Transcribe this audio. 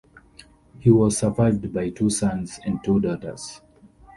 He was survived by two sons and two daughters.